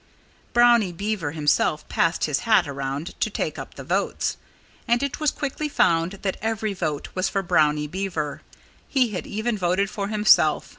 Brownie Beaver himself passed his hat around to take up the votes. And it was quickly found that every vote was for Brownie Beaver. He had even voted for himself.